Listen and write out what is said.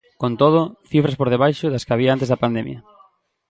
Con todo, cifras por debaixo das que había antes da pandemia.